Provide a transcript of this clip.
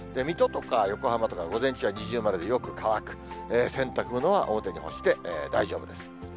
水戸とか横浜とか午前中は二重丸でよく乾く、洗濯物は表に干して大丈夫です。